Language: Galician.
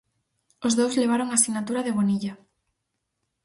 Os dous levaron a sinatura de Bonilla.